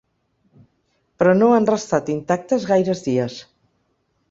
Però no han restat intactes gaires dies.